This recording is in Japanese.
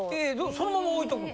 そのまま置いとくの？